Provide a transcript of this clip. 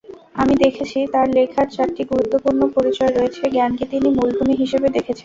আমি দেখেছি, তাঁর লেখার চারটি গুরুত্বপূর্ণ পরিচয় রয়েছে—জ্ঞানকে তিনি মূলভূমি হিসেবে দেখেছেন।